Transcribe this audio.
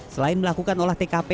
selain melakukan olah tkp